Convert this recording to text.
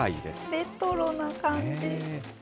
レトロな感じ。